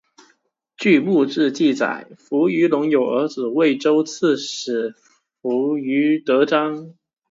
据墓志记载扶余隆有儿子渭州刺史扶余德璋。